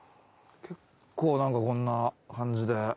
結構何かこんな感じで。